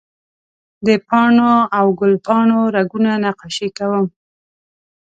د پاڼو او ګل پاڼو رګونه نقاشي کوم